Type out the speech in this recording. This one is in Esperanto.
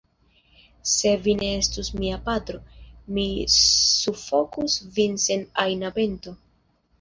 Se vi ne estus mia patro, mi sufokus vin sen ajna pento.